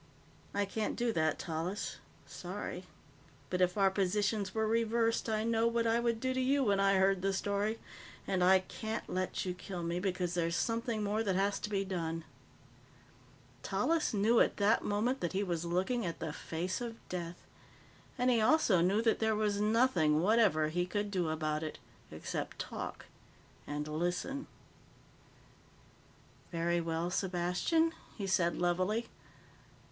"I can't do that, Tallis. Sorry. But if our positions were reversed, I know what I would do to you when I heard the story. And I can't let you kill me, because there's something more that has to be done." Tallis knew at that moment that he was looking at the face of Death. And he also knew that there was nothing whatever he could do about it. Except talk. And listen. "Very well, Sepastian," he said levelly.